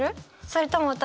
それとも私？」